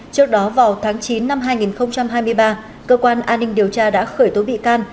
trước đó vào tháng chín năm hai nghìn hai mươi ba cơ quan an ninh điều tra đã khởi tố bị can